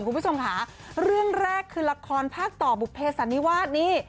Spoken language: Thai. คุณผู้ชมค่ะเรื่องแรกคือละครภาคต่อบุภเพสันนิวาสนี่